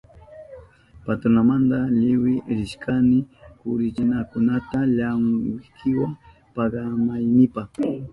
Patronmanta liwik rishkani churarinakunata lankwikiwa paganaynipa.